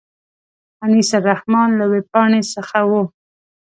انیس الرحمن له وېبپاڼې څخه و.